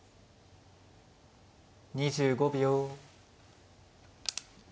２５秒。